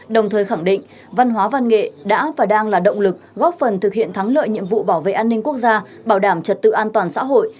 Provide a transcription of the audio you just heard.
đồng thời khẳng định văn hóa văn nghệ đã và đang là động lực góp phần thực hiện thắng lợi nhiệm vụ bảo vệ an ninh quốc gia bảo đảm trật tự an toàn xã hội